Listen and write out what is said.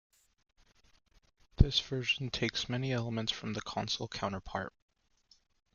This version takes many elements from the console counterpart.